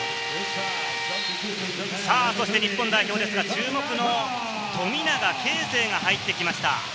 そして日本代表ですが、注目の富永啓生が入ってきました。